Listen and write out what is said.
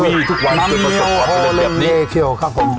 นัมเมี๋โอโหใลงเยเกี๋ยวครับผม